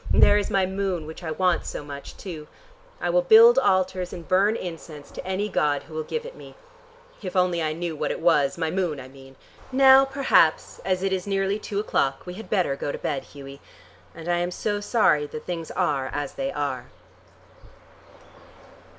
There is my moon which I want so much, too. I will build altars and burn incense to any god who will give it me. If only I knew what it was. My moon, I mean! Now perhaps as it is nearly two o'clock, we had better go to bed, Hughie. And I am so sorry that things are as they are."